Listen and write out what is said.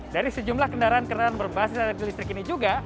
dari sejumlah kendaraan kendaraan berbasis energi listrik ini juga